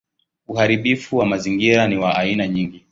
Uharibifu wa mazingira ni wa aina nyingi.